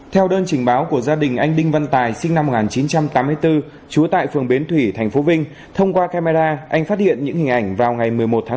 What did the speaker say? theo đơn trình báo của gia đình anh đinh văn tài sinh năm một nghìn chín trăm tám mươi bốn trú tại phường bến thủy tp vinh thông qua camera anh phát hiện những hình ảnh vào ngày một mươi một tháng bốn